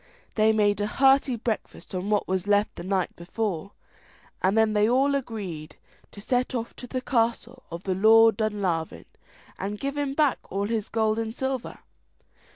They made a hearty breakfast on what was left the night before, and then they all agreed to set off to the castle of the Lord of Dunlavin, and give him back all his gold and silver.